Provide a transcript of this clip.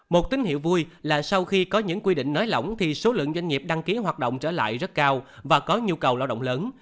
một tín hiệu vui là sau khi có những quy định nới lỏng thì số lượng doanh nghiệp đăng ký hoạt động trở lại rất cao và có nhu cầu lao động lớn